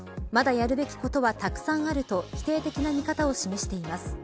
まだやるべきことはたくさんあると否定的な見方を示しています。